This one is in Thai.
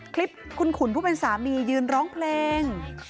คลิปคุณขุนผู้เป็นสามียืนร้องเพลง